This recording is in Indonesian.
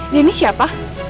dia ini siapa